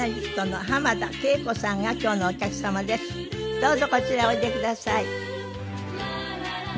どうぞこちらへおいでください。